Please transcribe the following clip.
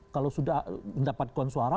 kalau sudah mendapatkan suara